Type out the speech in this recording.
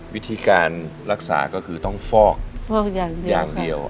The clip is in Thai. วิธีการรักษาก็คือต้องฟอกอย่างเดียว